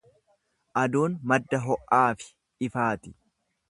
Aduun madda ho’aa fi ifaati.